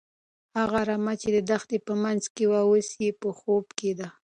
هغه رمه چې د دښتې په منځ کې وه، اوس په خوب کې ده.